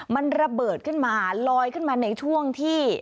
มันระเบิดขึ้นมาลอยขึ้นมาในช่วงที่